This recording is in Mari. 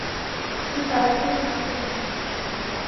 Векат, сайынак темын.